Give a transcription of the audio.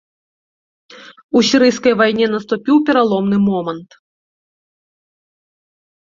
У сірыйскай вайне наступіў пераломны момант.